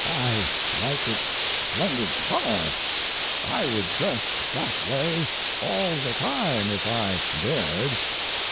"I like its splendid color. I would dress that way all the time, if I dared."